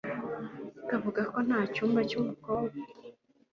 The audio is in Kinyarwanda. bakavuga ko nta cyumba cy umukobwa